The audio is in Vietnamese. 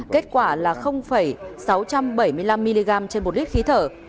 kết quả là sáu trăm bảy mươi năm mg trên một lít khí thở